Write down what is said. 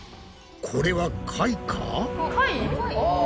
これは貝か！？